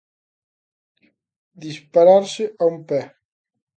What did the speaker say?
Dispararse a un pé.